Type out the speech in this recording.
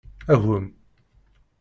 Agem.